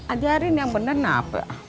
ajarin yang bener nah pak